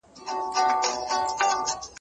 خلګ باید یو د بل مرستندویان واوسي.